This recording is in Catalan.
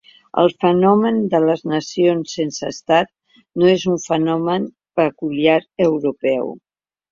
El fenomen de les nacions sense estat no és un fenomen peculiar europeu.